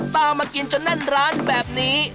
มากินจนแน่นร้านแบบนี้